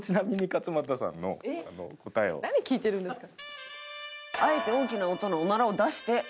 何聞いてるんですか。